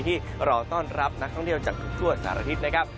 ที่รอต้อนรับนักท่องเที่ยวจากทั่วสถานอาทิตย์นะครับ